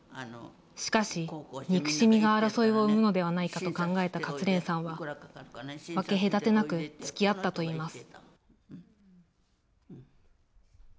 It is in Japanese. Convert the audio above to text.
しかし、憎しみが争いを生むのではないかと考えた勝連さんは、分け隔てなくつきあったといいます。